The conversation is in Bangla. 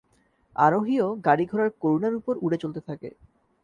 আরোহীও গাড়ি ঘোড়ার করুনার উপর উড়ে চলতে থাকে।